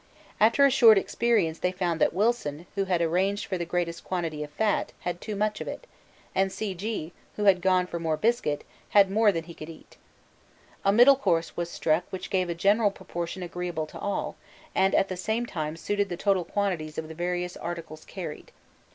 After a short experience they found that Wilson, who had arranged for the greatest quantity of fat, had too much of it, and C. G., who had gone for biscuit, had more than he could eat. A middle course was struck which gave a general proportion agreeable to all, and at the same time suited the total quantities of the various articles carried.